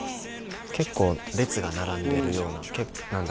結構列が並んでるような何だ？